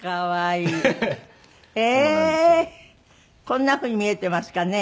こんなふうに見えていますかね？